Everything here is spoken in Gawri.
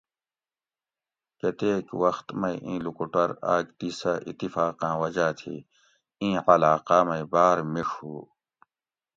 کتیک وخت مئ ایں لوکوٹور آک دی سہ اتفاقاۤں وجاۤ تھی ایں علاقاۤ مئ باۤر مِڛ ہُو